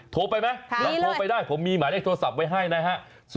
โทรไปไหมลองโทรไปได้ผมมีหมายเลขโทรศัพท์ไว้ให้นะฮะ